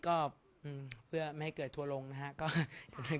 ใกล้สิทธิ์ภาคอุงท่านขนาดนี้เราอยากจะฝากไปถึงเยาวชนคนไทยคนอื่นยังไงบ้าง